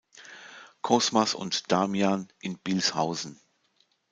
Kosmas und Damian“ in Bilshausen.